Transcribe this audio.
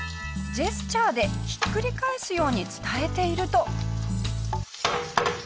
ジェスチャーでひっくり返すように伝えていると。